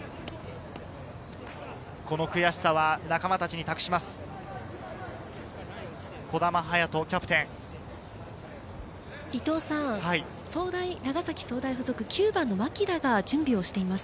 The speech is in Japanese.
この悔しさは仲間たちに託します。